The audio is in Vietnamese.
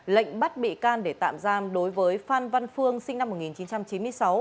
lệnh bắt bị can để tạm giam đối với phan văn phương sinh năm một nghìn chín trăm chín mươi sáu